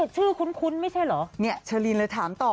ชื่อคุ้นไม่ใช่เหรอเนี่ยเชอรีนเลยถามต่อ